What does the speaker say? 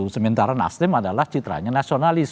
sementara nasdem adalah citranya nasionalis